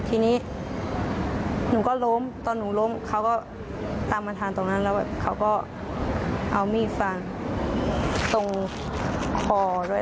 ทีนี้หนูก็ล้มตอนหนูล้มเขาก็ตามมาทานตรงนั้นแล้วแบบเขาก็เอามีดฟันตรงคอด้วย